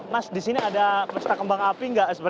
mas di sini ada pesta kembang api nggak